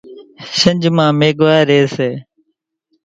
شنجھ مان ميگھوار ريئيَ سي۔